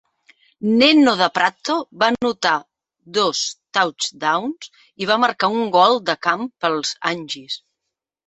Neno DaPrato va anotar dos touchdowns i va marcar un gol de camp per als Aggies.